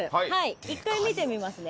１回見てみますね。